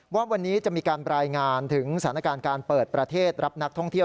ว่าวันนี้จะมีการรายงานถึงสถานการณ์การเปิดประเทศรับนักท่องเที่ยว